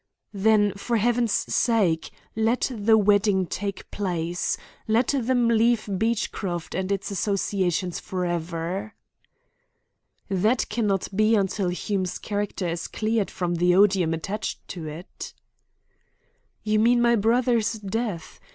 "Then, for Heaven's sake, let the wedding take place. Let them leave Beechcroft and its associations for ever." "That cannot be until Hume's character is cleared from the odium attached to it." "You mean my brother's death.